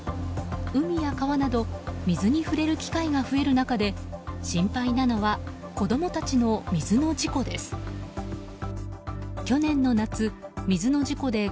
海や川など水に触れる機会が増える中で心配なのは子供たちの水の事故です。